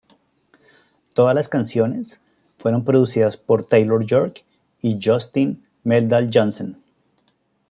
Todas las canciones fueron producidas por Taylor York y Justin Meldal-Johnsen.